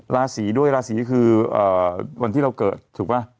ราศีด้วยราศีคือวันที่เราเกิดถูกป่ะ